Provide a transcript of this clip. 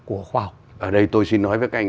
của khoa học ở đây tôi xin nói với các anh